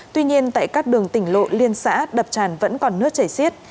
tuy nhiên tại các đường tỉnh lộ liên xã đập tràn vẫn còn nước chảy xiết